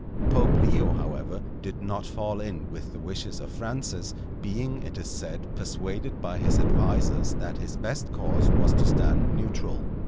Pope Leo, however, did not fall in with the wishes of Francis, being, it is said, persuaded by his advisers that his best course was to stand neutral.